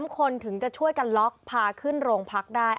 ๓คนถึงจะช่วยกันล็อกพาขึ้นโรงพักได้